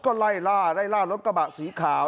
ก็ไล่ล่ารถกระบะสีขาว